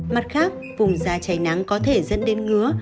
mặt khác vùng da cháy nắng có thể dẫn đến ngứa